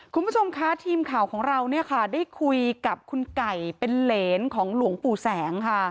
คุณผู้ชมคะทีมข่าวของเราเนี่ยค่ะได้คุยกับคุณไก่เป็นเหรนของหลวงปู่แสงค่ะ